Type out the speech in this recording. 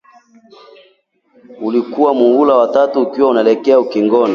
Ulikuwa muhula wa tatu, ukiwa unaelekea ukingoni